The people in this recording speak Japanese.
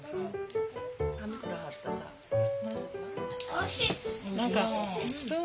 おいしい。